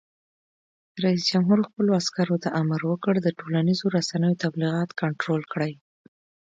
رئیس جمهور خپلو عسکرو ته امر وکړ؛ د ټولنیزو رسنیو تبلیغات کنټرول کړئ!